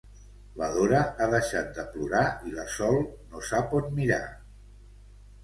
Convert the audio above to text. La Dora ha deixat de plorar i la Sol no sap on mirar.